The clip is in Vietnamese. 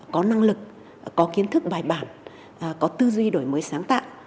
có năng lực có kiến thức bài bản có tư duy đổi mới sáng tạo